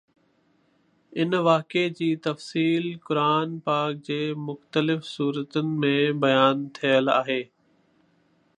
ان واقعي جو تفصيل قرآن پاڪ جي مختلف سورتن ۾ بيان ٿيل آهي